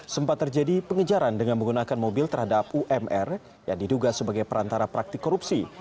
sempat terjadi pengejaran dengan menggunakan mobil terhadap umr yang diduga sebagai perantara praktik korupsi